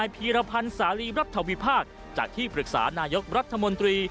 พีรพันธ์สาลีรัฐวิพากษ์จากที่ปรึกษานายกรัฐมนตรี